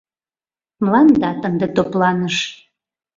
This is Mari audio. Мландат ынде топланыш.